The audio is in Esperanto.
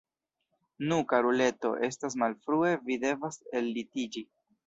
Nu, karuleto, estas malfrue, vi devas ellitiĝi!